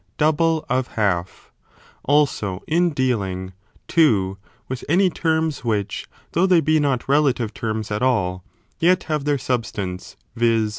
double of half: also in dealing (2) with any terms which, though they be not relative terms at all, yet have their substance, viz.